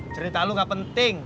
cerita lu nggak penting